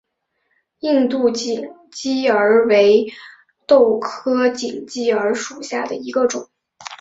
印度锦鸡儿为豆科锦鸡儿属下的一个种。